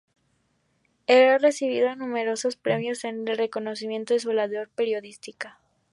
Ha recibido numerosos premios en reconocimiento a su labor periodística.